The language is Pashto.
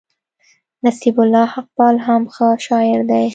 نصيب الله حقپال هم ښه شاعر دئ.